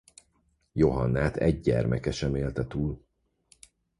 Johannát egy gyermeke sem élte túl.